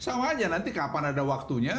sama aja nanti kapan ada waktunya